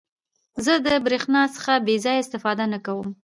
زه د برېښنا څخه بې ځایه استفاده نه کوم.